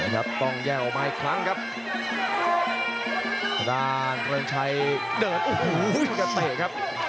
โอ้โหอยากเตะครับ